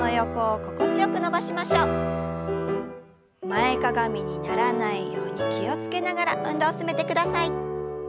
前かがみにならないように気を付けながら運動を進めてください。